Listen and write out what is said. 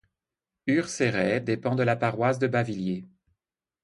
Urcerey dépend de la paroisse de Bavilliers.